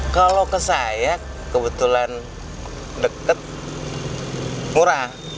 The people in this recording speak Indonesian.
kalau ke saya kebetulan deket murah